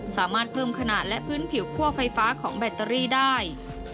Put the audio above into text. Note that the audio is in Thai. สามารถเพิ่มขนาดและพื้นผิวคั่วไฟฟ้าของแบตเตอรี่ได้